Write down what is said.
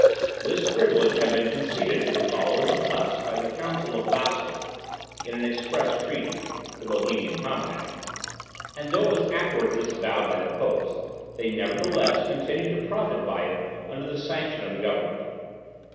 This privilege had been conceded to the followers of Huss by the Council of Basle, in an express treaty, (the Bohemian Compact); and though it was afterwards disavowed by the popes, they nevertheless continued to profit by it under the sanction of the government.